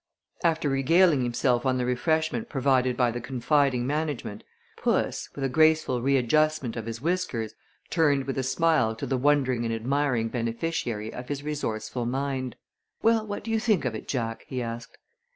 After regaling himself on the refreshment provided by the confiding management, puss, with a graceful readjustment of his whiskers, turned with a smile to the wondering and admiring beneficiary of his resourceful mind. "Well, what do you think of it, Jack?" he asked.